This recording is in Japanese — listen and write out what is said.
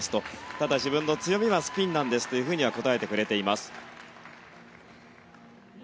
ただ、自分の強みはスピンですと答えてくれています。